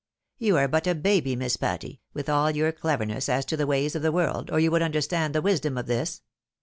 You are but a baby. Miss Patty, with all your cleverness, as to the ways of the world, or you would understand the wisdom of tins.